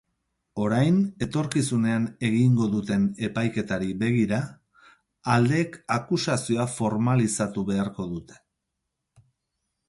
Orain, etorkizunean egingo duten epaiketari begira, aldeek akusazioa formalizatu beharko dute.